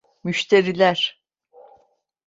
Müşteriler…